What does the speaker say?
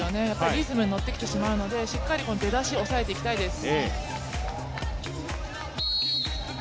リズムに乗ってきてしまうのでしっかり出だしを抑えていきたいです。